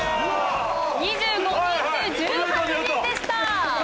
２５人中１８人でした。